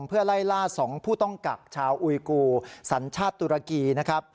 เพื่อไล่ล่า๒ผู้ต้องกักชาวอุยกูสัญชาติตุรกีนะครับ